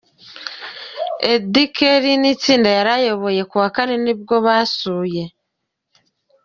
Auddy Kelly nitsinda yari ayoboye ku wa Kane nibwo basuye.